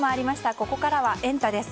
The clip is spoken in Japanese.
ここからはエンタ！です。